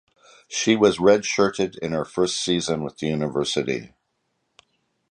She was redshirted in her first season with the university.